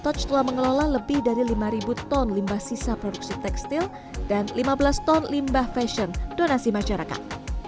toge telah mengelola lebih dari lima ton limbah sisa produksi tekstil dan lima belas ton limbah fashion donasi masyarakat